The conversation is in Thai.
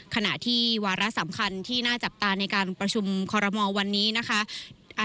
ขณะที่วาระสำคัญที่น่าจับตาในการประชุมคอรมอลวันนี้นะคะ